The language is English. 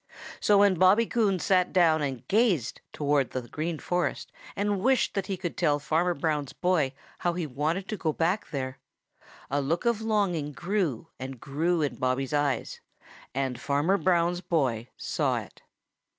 So when Bobby Coon sat down and gazed towards the Green Forest and wished that he could tell Farmer Brown's boy how he wanted to go back there, a look of longing grew and grew in Bobby's eyes, and Farmer Brown's boy saw it.